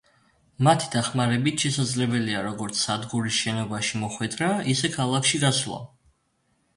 მათი დახმარებით შესაძლებელია, როგორც სადგურის შენობაში მოხვედრა, ისე ქალაქში გასვლა.